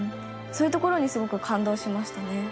そういうところにすごく感動しましたね。